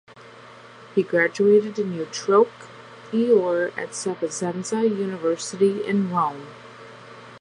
He graduated in utroque iure at Sapienza University of Rome.